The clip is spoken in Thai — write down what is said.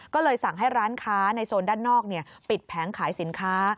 ก็เลยสั่งให้ร้านค้าในโซนด้านนอกปิดแผงขายสินค้า